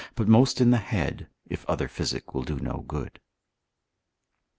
but most in the head, if other physic will do no good.